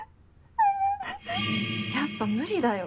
やっぱ無理だよ